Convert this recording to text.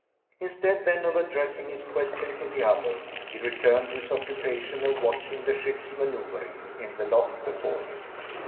Instead then of addressing his question to the other, he returned to his occupation of watching the ships manoeuvring in the loch before him.